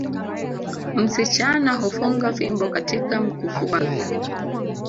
Msichana hufunga fimbo katika mkufu wake